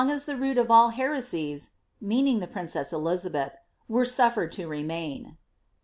as the root of all heresies," meaning the princess Elizabeth, ^ were futi^'fed to remain."